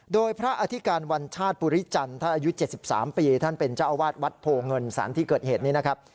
โดยพระอธิการวัญชาติปุริจันทร์ท่านอายุ๗๓ปีท่านเป็นเจ้าอาวาสวัดโพเงินสารที่เกิดเหตุนี้นะครับ